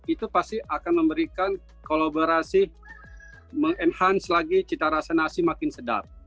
itu pasti akan memberikan kolaborasi meng enhance lagi cita rasa nasi makin sedap